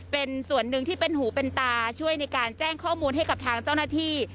เป็นส่วนหนึ่งที่เป็นหูเป็นตาช่วยในการแจ้งข้อมูลให้กับทางเจ้าหน้าที่